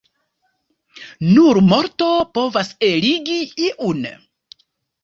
Nur morto povas eligi iun.